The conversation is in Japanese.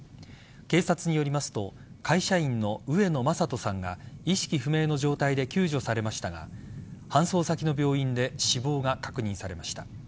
警察によりますと会社員の上野栄人さんが意識不明の状態で救助されましたか搬送先の病院で死亡が確認されました。